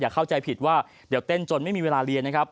เข้าใจผิดว่าเดี๋ยวเต้นจนไม่มีเวลาเรียนนะครับ